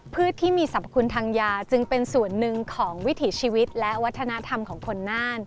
ที่มีสรรพคุณทางยาจึงเป็นส่วนหนึ่งของวิถีชีวิตและวัฒนธรรมของคนน่าน